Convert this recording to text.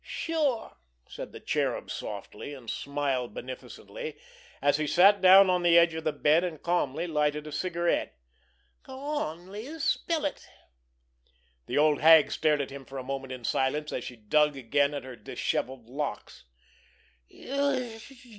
"Sure!" said the Cherub softly, and smiled beneficently, as he sat down on the edge of the bed and calmly lighted a cigarette. "Go on, Liz, spill it!" The old hag stared at him for a moment in silence, as she dug again at her dishevelled locks.